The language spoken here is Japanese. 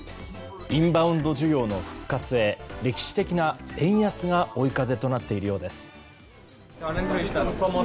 インバウンド需要の復活へ歴史的な円安が追い風となっているようです。